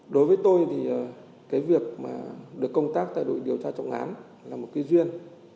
đối với tôi thì cái việc mà được công tác tại đội điều tra trọng án là một cái duyên